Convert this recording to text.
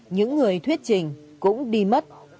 những người thuyết trình cũng đi mất